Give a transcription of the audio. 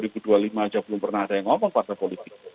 belum pernah ada yang ngomong partai politik